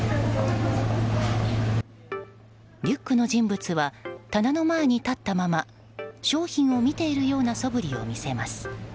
リュックの人物は棚の前に立ったまま商品を見ているようなそぶりを見せます。